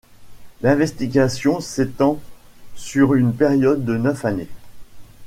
L'investigation s'étend sur une période de neuf années.